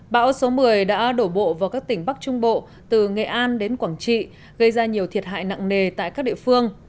bão số một mươi đã đổ bộ vào các tỉnh bắc trung bộ từ nghệ an đến quảng trị gây ra nhiều thiệt hại nặng nề tại các địa phương